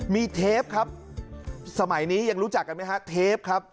มีเทปครับสมัยนี้ยังรู้จักกันไหมฮะเทปครับ